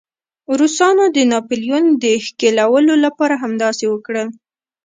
روسانو د ناپلیون د ښکېلولو لپاره همداسې وکړل.